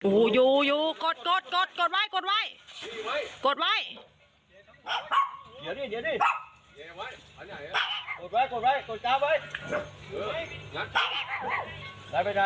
อู้ยูยูกดโตไว้โตไว้